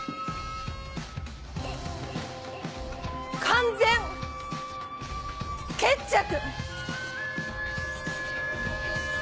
完全決着！